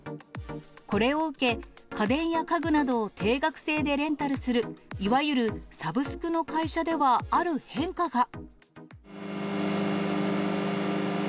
これを受け、家電や家具などを定額制でレンタルするいわゆるサブスクの会社ではある変化が。